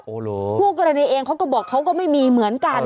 โอ้โหคู่กรณีเองเขาก็บอกเขาก็ไม่มีเหมือนกัน